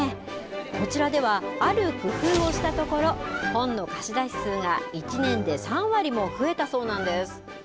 こちらではある工夫をしたところ本の貸し出し数が１年で３割も増えたそうなんです。